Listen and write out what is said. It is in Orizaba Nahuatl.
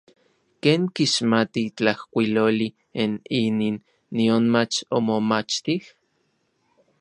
¿Ken kixmati tlajkuiloli n inin, nionmach omomachtij?